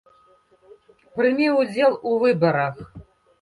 Прымі ўдзел у выбарах!